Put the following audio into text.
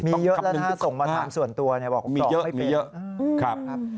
มีเยอะแล้วนะส่งมาทำส่วนตัวบอกกรอกไม่เป็น